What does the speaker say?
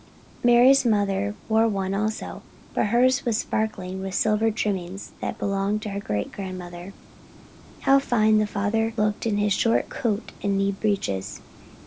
Mari's mother wore one also, but hers was sparkling with silver trimmings that had belonged to her great grandmother. How fine the father looked in his short coat and knee breeches.